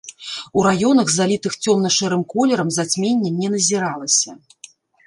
У раёнах, залітых цёмна-шэрым колерам, зацьменне не назіралася.